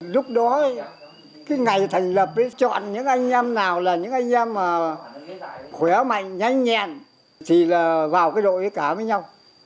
lúc đó cái ngày thành lập ấy chọn những anh em nào là những anh em khỏe mạnh nhanh nhẹn thì là vào cái đội ấy cả với nhau